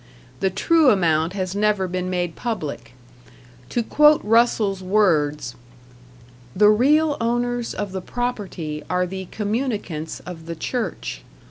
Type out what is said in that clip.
The true amount has never been made public; to quote Russell's words: The real owners of the property are the communicants of the church.